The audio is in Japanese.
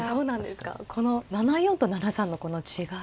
この７四と７三の違いは？